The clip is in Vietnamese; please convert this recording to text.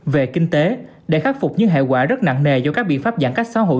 về kinh tế để khắc phục những hệ quả rất nặng nề do các biện pháp giãn cách xã hội